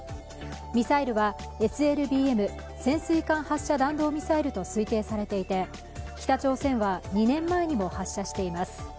ミサイルはＳＬＢＭ＝潜水艦発射弾道ミサイルと推定されていて北朝鮮は２年前にも発射しています。